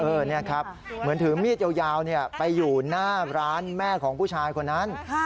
นี่ครับเหมือนถือมีดยาวไปอยู่หน้าร้านแม่ของผู้ชายคนนั้น